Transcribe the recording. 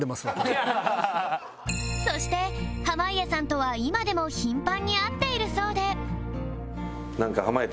そして濱家さんとは今でも頻繁に会っているそうで